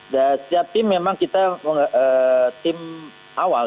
setiap tim memang kita tim awal